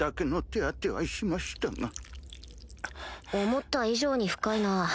思った以上に深いな